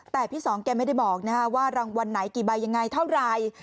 แต่พี่สองแกไม่ได้บอกว่ารางวัลไหนกี่ใบยังไงเท่าไหร่